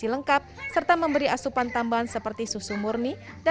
ia juga memberikan asupan makanan yang mengandungnya